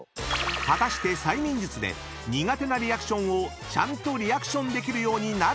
［果たして催眠術で苦手なリアクションをちゃんとリアクションできるようになるのか⁉］